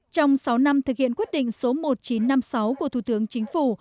trong sáu năm thực hiện quyết định số một nghìn chín trăm năm mươi sáu của thủ tướng chính phủ